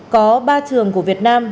có ba trường của việt nam